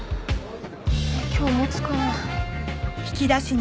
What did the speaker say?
今日持つかな。